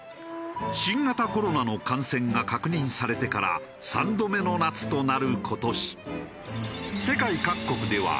新型コロナの感染が確認されてから３度目の夏となる今年。